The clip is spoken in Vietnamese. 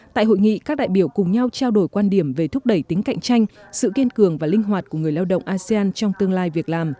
tại hội nghị các đại biểu cùng nhau trao đổi quan điểm về thúc đẩy tính cạnh tranh sự kiên cường và linh hoạt của người lao động asean trong tương lai việc làm